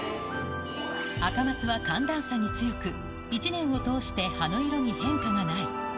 赤松は寒暖差に強く、１年を通して、葉の色に変化がない。